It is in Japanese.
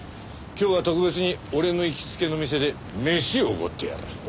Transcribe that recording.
今日は特別に俺の行きつけの店で飯をおごってやる。